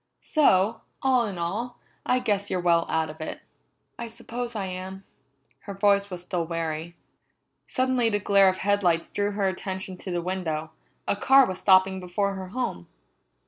So, all in all, I guess you're well out of it." "I suppose I am." Her voice was still weary. Suddenly the glare of headlights drew her attention to the window; a car was stopping before her home.